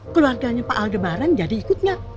keluarganya pak aldebaran jadi ikutnya